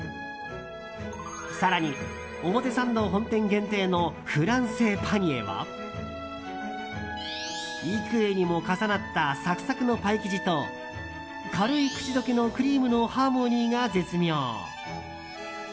更に、表参道本店限定のフランセパニエは幾重にも重なったサクサクのパイ生地と軽い口どけのクリームのハーモニーが絶妙！